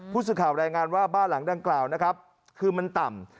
ผู้สื่อข่าวแรงงานว่าบ้านหลังด้านกล่าวคือมันต่ำ